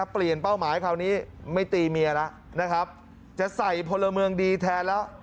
เปลี่ยนเป้าหมายคราวนี้ไม่ตีเมียละนะครับจะใส่พลเมิงดีแทนแล้ว